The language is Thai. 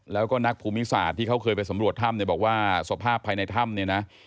แล้วก็นักภูมิศาสตร์ที่เขาเคยไปสำรวจถ้ำเนี่ยบอกว่าสภาพภายในถ้ำเนี่ยนะ